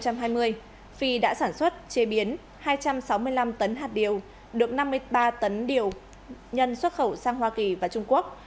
phi đã sản xuất chế biến hai trăm sáu mươi năm tấn hạt điều được năm mươi ba tấn điều nhân xuất khẩu sang hoa kỳ và trung quốc